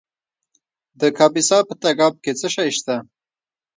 د کاپیسا په تګاب کې څه شی شته؟